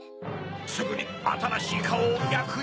すぐにあたらしいカオをやくよ！